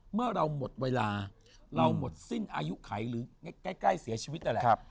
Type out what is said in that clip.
เมื่อเราหมดเวลาเราหมดสิ้นอายุไขหรือใกล้เสียชีวิตนั่นแหละ